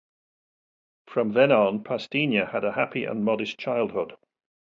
From then on, Pastinha had a happy and modest childhood.